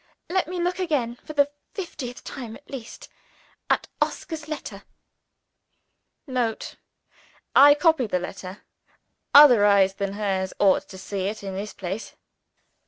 Let me look again (for the fiftieth time at least) at Oscar's letter. [Note. I copy the letter. Other eyes than hers ought to see it in this place.